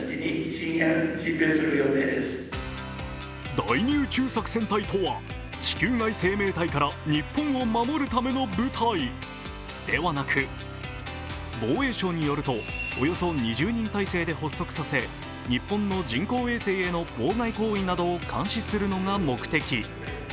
第２宇宙作戦隊とは、地球外生命体から日本を守るための部隊ではなく、防衛省によると、およそ２０人体制で発足させ、日本の人工衛星への妨害行為などを監視するのが目的。